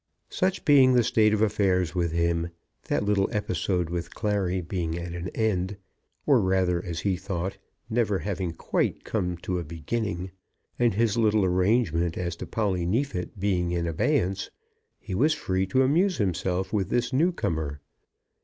Such being the state of affairs with him, that little episode with Clary being at an end, or rather, as he thought, never having quite come to a beginning, and his little arrangement as to Polly Neefit being in abeyance, he was free to amuse himself with this newcomer.